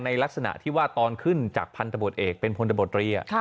ในลักษณะที่วาดตอนขึ้นจากพลตบทเอกเป็นพลตบทหรี่อะ